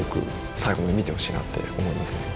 最後まで見てほしいなって思いますね。